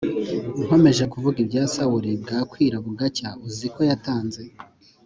nkomeje kuvuga ibya Samweli bwa kwira bugacya uziko yatanze